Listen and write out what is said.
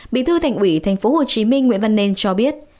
bí thư thành ủy tp hcm nguyễn văn nên cho biết